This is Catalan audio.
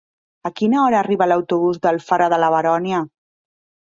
A quina hora arriba l'autobús d'Alfara de la Baronia?